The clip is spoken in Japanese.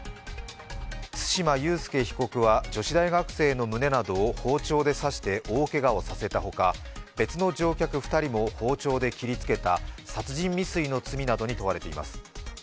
対馬悠介被告は、女子大学生の胸などを包丁で刺して大けがをさせたほか別の乗客２人も包丁で切りつけた殺人未遂の罪などに問われています。